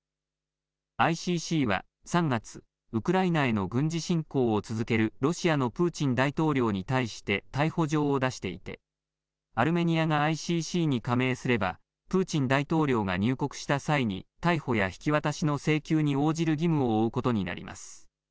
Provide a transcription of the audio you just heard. ＩＣＣは３月、ウクライナへの軍事侵攻を続けるロシアのプーチン大統領に対して逮捕状を出していてアルメニアがＩＣＣに加盟すればプーチン大統領が入国した際に逮捕や引き渡しの請求に応じる義務を負うことになります。